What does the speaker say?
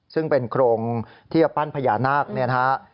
ซึ่งเป็นโครงที่จะปั้นพญานาคเนี่ยนะฮะ